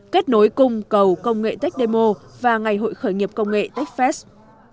kết nối cung cầu công nghệ tech demo và ngày hội khởi nghiệp công nghệ techfest